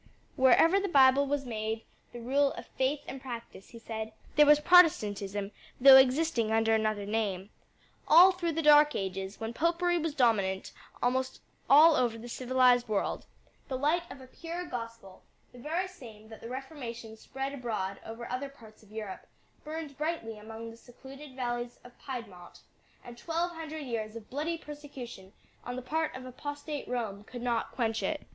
"Wherever the Bible was made the rule of faith and practice," he said, "there was Protestantism though existing under another name. All through the dark ages, when Popery was dominant almost all over the civilized world, the light of a pure gospel the very same that the Reformation spread abroad over other parts of Europe burned brightly among the secluded valleys of Piedmont; and twelve hundred years of bloody persecution on the part of apostate Rome could not quench it.